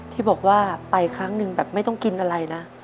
ที่บอกว่าไปครั้งหนึ่งแบบไม่ต้องกินอะไรนะ